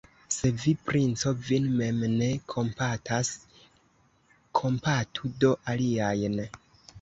Se vi, princo, vin mem ne kompatas, kompatu do aliajn!